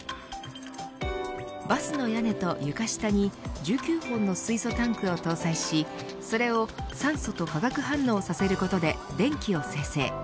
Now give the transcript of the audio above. バスの屋根と床下に１９本の水素タンクを搭載しそれを酸素と化学反応させることで電気を生成。